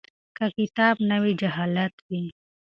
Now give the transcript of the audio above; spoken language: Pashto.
که کتاب نه وي جهالت وي.